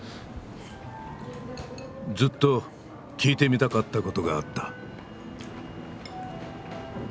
ずっと聞いてみたかったことがあった。